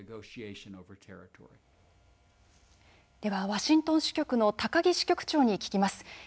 ワシントン支局の高木支局長に聞きます。